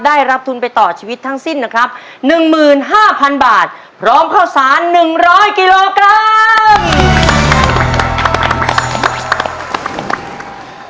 ได้รับทุนไปต่อชีวิตทั้งสิ้นนะครับ๑๕๐๐๐บาทพร้อมข้าวสาร๑๐๐กิโลกรัม